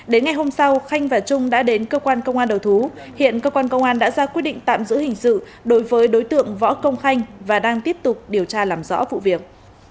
đến ngày hôm sau khanh và trung đã đến cơ quan công an đầu thú hiện cơ quan công an đã ra quyết định tạm giữ hình sự đối với đối tượng võ công khanh và đang tiếp tục điều tra làm rõ vụ việc